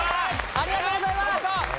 ありがとうございます。